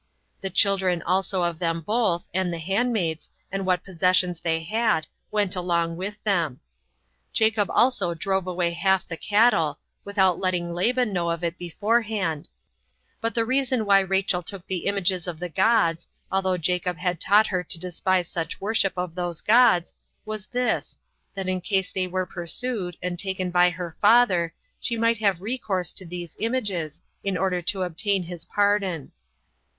The children also of them both, and the handmaids, and what possessions they had, went along with them. Jacob also drove away half the cattle, without letting Laban know of it beforehand But the reason why Rachel took the images of the gods, although Jacob had taught her to despise such worship of those gods, was this, That in case they were pursued, and taken by her father, she might have recourse to these images, in order to obtain his pardon.